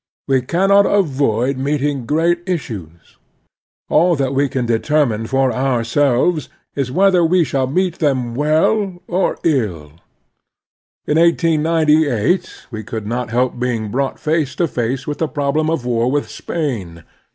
We cannot avoid meeting great issues. All that we can determine for ourselves is whether we shall meet them well or ill. In 1898 we could not help being brought face to face with the problem of war with Spain.